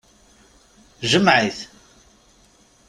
Jmeɛ-it.